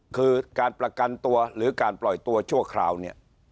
คือการประกันตัวหรือการปล่อยตัวชั่วคราวเนี่ย